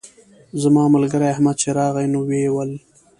زما ملګری احمد چې راغی نو ویې ویل.